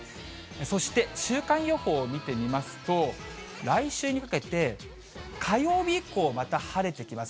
そして週間予報を見てみますと、来週にかけて火曜日以降、また晴れてきます。